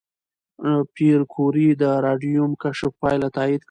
پېیر کوري د راډیوم کشف پایله تایید کړه.